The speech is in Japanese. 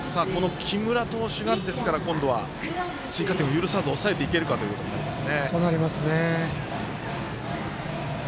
木村投手からなんですが今度は追加点を許さず抑えていけるかということになりますね。